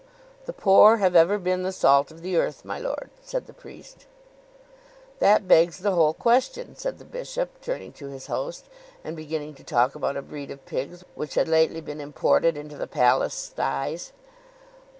"The poor have ever been the salt of the earth, my lord," said the priest. "That begs the whole question," said the bishop, turning to his host, and beginning to talk about a breed of pigs which had lately been imported into the palace styes.